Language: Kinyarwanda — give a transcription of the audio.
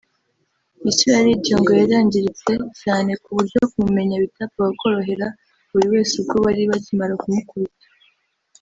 Isura ya Radio ngo yarangiritse cyane ku buryo kumumenya bitapfaga koroherera buri wese ubwo bari bakimara kumukubita